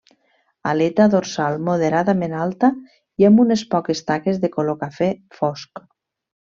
Aleta dorsal moderadament alta i amb unes poques taques de color cafè fosc.